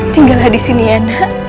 tinggallah disini ya nak